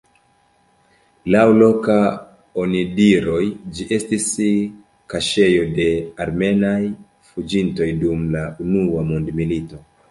Laŭ loka onidiroj ĝi estis kaŝejo de armeaj fuĝintoj dum la unua mondmilito.